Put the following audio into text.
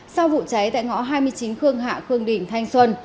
sau vụ cháy tại ngõ hai mươi chín khương hạ khương đình thanh xuân